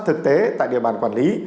thực tế tại địa bàn quản lý